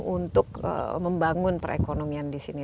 untuk membangun perekonomian di sini